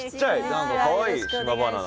何かかわいい島バナナ。